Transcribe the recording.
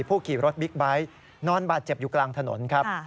ขี่รถบิ๊กไบท์นอนบาดเจ็บอยู่กลางถนนครับ